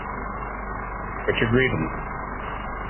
What’s your grievance?